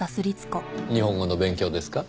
日本語の勉強ですか？